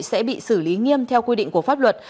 sẽ bị xử lý nghiêm theo quy định của pháp luật